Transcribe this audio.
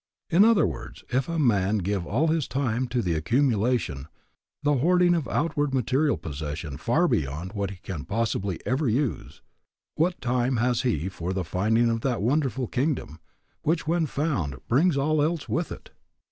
In other words, if a man give all his time to the accumulation, the hoarding of outward material possessions far beyond what he can possibly ever use, what time has he for the finding of that wonderful kingdom, which when found, brings all else with it.